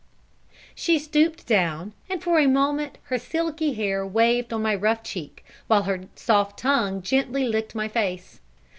She stooped down, and for a moment her silky hair waved on my rough cheek, while her soft tongue gently licked my face.